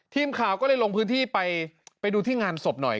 ทีมข่าวก็เลยลงพื้นที่ไปไปดูที่งานศพหน่อย